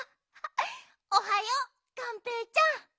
おはようがんぺーちゃん。